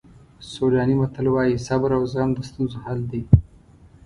سوډاني متل وایي صبر او زغم د ستونزو حل دی.